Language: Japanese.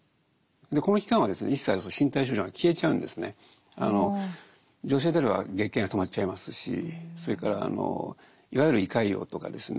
この期間はですね一切女性であれば月経が止まっちゃいますしそれからいわゆる胃潰瘍とかですね